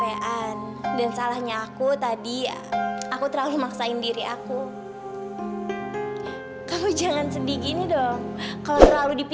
enggak pokoknya kamu harus tanggung jawab